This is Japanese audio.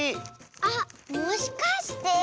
あっもしかして？